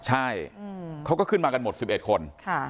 ใช่เขาก็ขึ้นมากันหมด๑๑คน